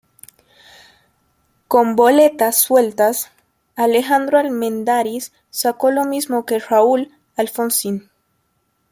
Con boletas sueltas, Alejandro Armendáriz sacó lo mismo que Raúl Alfonsín.